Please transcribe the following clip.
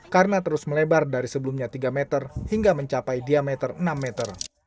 karena terus melebar dari sebelumnya tiga meter hingga mencapai diameter enam meter